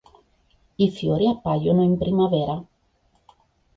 I fiori appaiono in primavera.